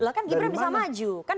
loh kan gibran bisa maju kan